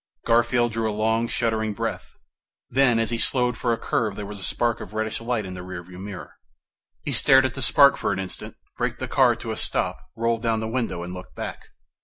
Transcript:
Garfield drew a long, shuddering breath. Then, as he slowed for a curve, there was a spark of reddish light in the rear view mirror. He stared at the spark for an instant, braked the car to a stop, rolled down the window and looked back.